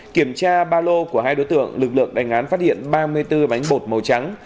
kiểm tra ba lô của hai đối tượng lực lượng đánh án phát hiện ba mươi bốn bánh bột màu trắng